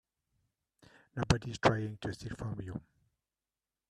Nobody's trying to steal from you.